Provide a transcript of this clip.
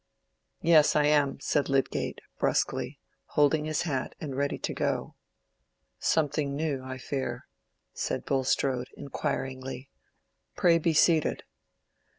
"Yes, I am," said Lydgate, brusquely, holding his hat, and ready to go. "Something new, I fear," said Bulstrode, inquiringly. "Pray be seated."